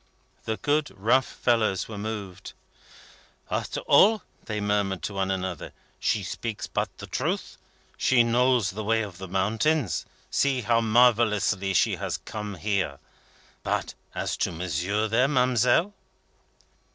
The good rough fellows were moved. "After all," they murmured to one another, "she speaks but the truth. She knows the ways of the mountains. See how marvellously she has come here. But as to Monsieur there, ma'amselle?"